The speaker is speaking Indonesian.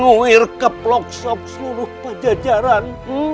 nguir keplok plok seluruh pejajaran